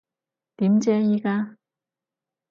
點啫依家？